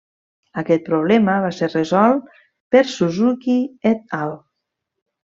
Aquest problema va ser resolt per Suzuki et al.